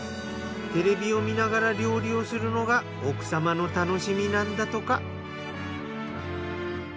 テレビを見ながら料理をするのが奥様の楽しみなんだとか。